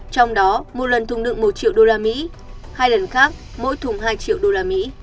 trong đó một lần thùng đựng một triệu usd hai lần khác mỗi thùng hai triệu usd